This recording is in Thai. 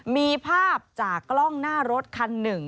มีภาพจากกล้องหน้ารถคันหนึ่ง